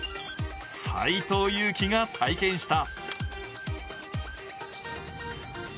斎藤佑樹が体験した。